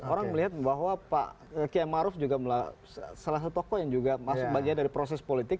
orang melihat bahwa pak kiai maruf juga salah satu tokoh yang juga masuk bagian dari proses politik